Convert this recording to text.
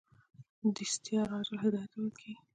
دساتیر عاجل هدایت ته ویل کیږي.